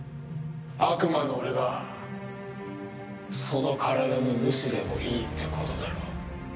悪魔の俺がその体の主でもいいってことだろ。